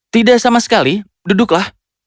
tidak sama sekali duduklah